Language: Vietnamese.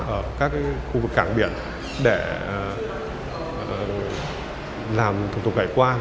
ở các khu vực cảng biển để làm thủ tục hải quan